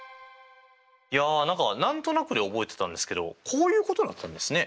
いや何となくで覚えてたんですけどこういうことだったんですね。